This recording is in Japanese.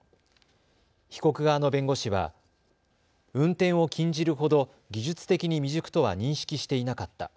被告側の弁護士は運転を禁じるほど技術的に未熟とは認識していなかった。